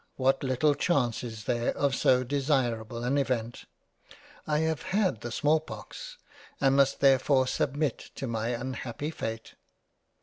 what little chance is there of so desirable an Event ; I have had the small pox, and must therefore submit to my unhappy fate.